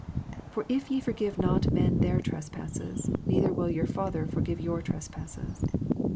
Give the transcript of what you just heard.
" For if ye forgive not men their trespasses, neither will your Father forgive your trespasses."